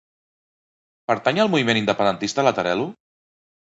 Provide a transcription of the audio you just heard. Pertany al moviment independentista la Terelu?